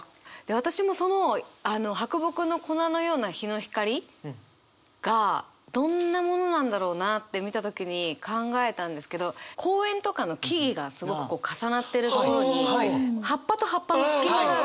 私もそのあの「白墨の粉のような日の光り」がどんなものなんだろうなって見た時に考えたんですけど公園とかの木々がすごくこう重なってるところに葉っぱと葉っぱの隙間があるじゃないですか。